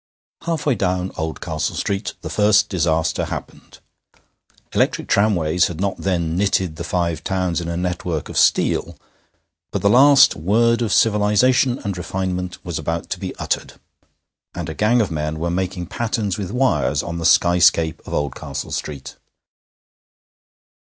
Halfway down Oldcastle Street the first disaster happened. Electric tramways had not then knitted the Five Towns in a network of steel; but the last word of civilization and refinement was about to be uttered, and a gang of men were making patterns with wires on the skyscape of Oldcastle Street.